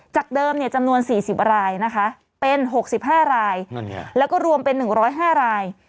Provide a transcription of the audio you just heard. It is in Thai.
จากเดิมจำนวน๔๐รายนะคะเป็น๖๕รายแล้วก็รวมเป็น๑๐๕ราย